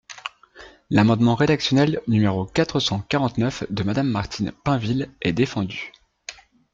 L’amendement rédactionnel numéro quatre cent quarante-neuf de Madame Martine Pinville est défendu.